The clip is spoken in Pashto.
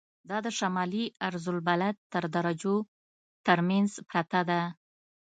دا د شمالي عرض البلد تر درجو تر منځ پرته ده.